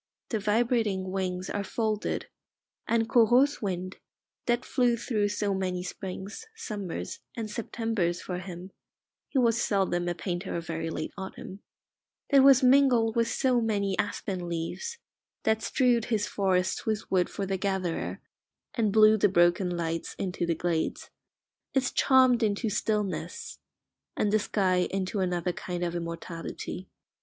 The vibrating wings are folded, and Corot's wind, that flew through so many springs, summers, and Septembers for him (he was seldom a painter of very late autumn), that was mingled with so many aspen leaves, that strewed his forests with wood for the gatherer, and blew the broken lights into the glades, is charmed into stillness, and the sky into another kind of immortality.